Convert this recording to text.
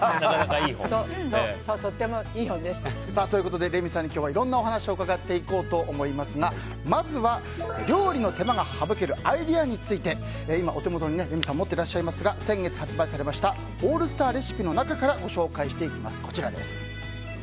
とってもいい本です。ということで、レミさんに今日はいろんなお話を伺っていこうと思いますがまずは、料理の手間が省けるアイデアについて今お手元にレミさんが持っていらっしゃいますが先月、発売されました「オールスターレシピ」の中からご紹介していきます。